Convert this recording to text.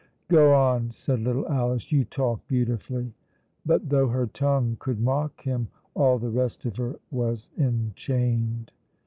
"Go on," said little Alice; "you talk beautifully." But though her tongue could mock him, all the rest of her was enchained.